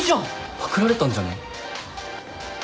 パクられたんじゃね？